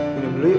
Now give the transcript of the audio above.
minum dulu yuk